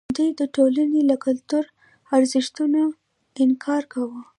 دوی د ټولنې له کلتوري ارزښتونو انکار کاوه.